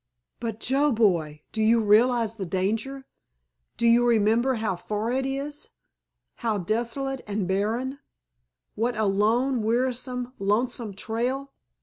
"But, Joe boy, do you realize the danger? Do you remember how far it is—how desolate and barren—what a lone, wearisome, lonesome trail?"